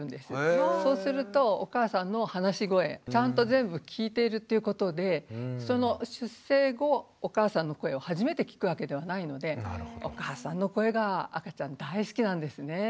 そうするとお母さんの話し声ちゃんと全部聞いているということでその出生後お母さんの声を初めて聞くわけではないのでお母さんの声が赤ちゃん大好きなんですね。